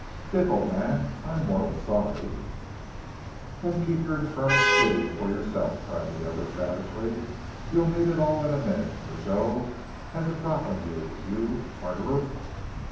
"Dick, old man, I am mortal sorry " "Then keep your infernal pity for yourself!" cried the other savagely. "You'll need it all in a minute, for Joe has the drop on you, you murderer."